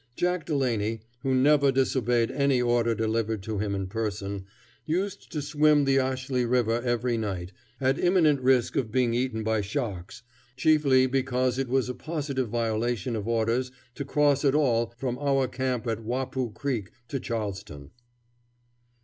Jack Delaney, who never disobeyed any order delivered to him in person, used to swim the Ashley River every night, at imminent risk of being eaten by sharks, chiefly because it was a positive violation of orders to cross at all from our camp on Wappoo Creek to Charleston.